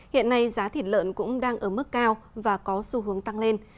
hiện nay giá thịt lợn cũng đang ở mức cao và có xu hướng tăng lên